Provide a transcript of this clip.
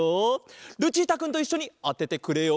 ルチータくんといっしょにあててくれよ！